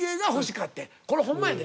これホンマやで。